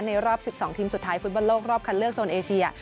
รอบ๑๒ทีมสุดท้ายฟุตบอลโลกรอบคันเลือกโซนเอเชีย